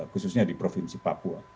khususnya di provinsi papua